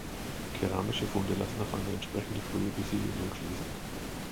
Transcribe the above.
Keramische Funde lassen auf eine entsprechend frühe Besiedlung schließen.